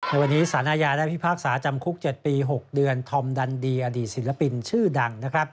ในวันนี้สารอาญาได้พิพากษาจำคุก๗ปี๖เดือนธอมดันดีอดีตศิลปินชื่อดังนะครับ